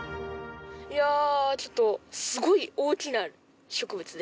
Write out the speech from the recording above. いやあちょっとすごい大きな植物で。